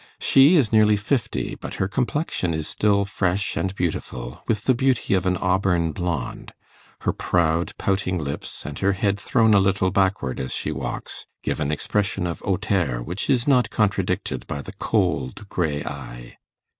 She is nearly fifty, but her complexion is still fresh and beautiful, with the beauty of an auburn blond; her proud pouting lips, and her head thrown a little backward as she walks, give an expression of hauteur which is not contradicted by the cold grey eye.